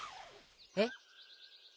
えっ？